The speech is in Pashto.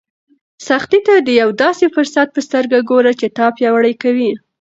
سختۍ ته د یو داسې فرصت په سترګه ګوره چې تا پیاوړی کوي.